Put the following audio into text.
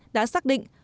đã xác định